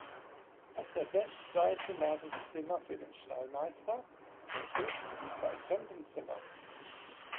Auf der Westseite lagen Zimmer für den Stallmeister, Köche und zwei Fremdenzimmer.